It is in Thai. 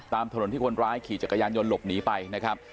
ตามถนนที่คนร้ายขี่จักรยานยนต์หลบหนีไปนะครับ